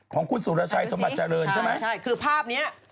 ของคุณสุรชัยสมบัติเจริญใช่ไหมใช่คือภาพเนี้ย